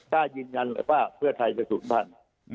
กล้ายืนยันเลยว่าเพื่อไทยจะศูนย์พันธุ์